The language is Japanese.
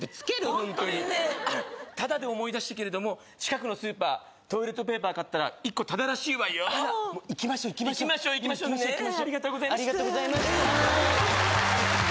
本当にあらタダで思い出したけれども近くのスーパートイレットペーパー買ったら１個タダらしいわよあら行きましょう行きましょう行きましょう行きましょうねえありがとうございましたありがとうございました